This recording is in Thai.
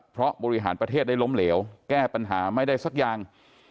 เพราะบริหารประเทศได้ล้มเหลวแก้ปัญหาไม่ได้สักอย่าง